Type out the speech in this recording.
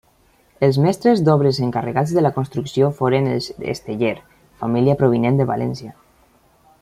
Els mestres d'obres encarregats de la construcció foren els Esteller, família provinent de València.